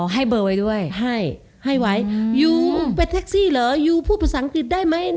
ให้เบอร์ไว้ด้วยให้ให้ไว้ยูเป็นแท็กซี่เหรอยูพูดภาษาอังกฤษได้ไหม